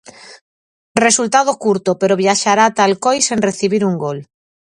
Resultado curto pero viaxará ata Alcoi sen recibir un gol.